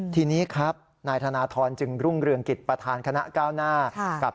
ทีนี้ครับนายธนทรจึงรุ่งเรืองกิจประธานคณะก้าวหน้ากับ